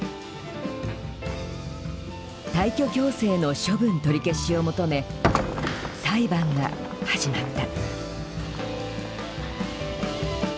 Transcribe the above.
退去強制の処分取り消しを求め裁判が始まった。